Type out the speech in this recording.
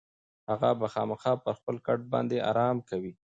هغه به خامخا پر خپل کټ باندې ارام کوي.